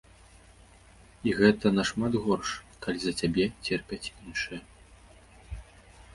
І гэта нашмат горш, калі за цябе церпяць іншыя.